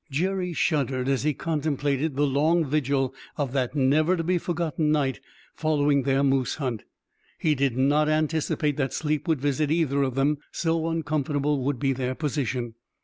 Jerry shuddered as he contemplated the long vigil of that never to be forgotten night following their moose hunt. He did not anticipate that sleep would visit either of them, so uncomfortable would be their position.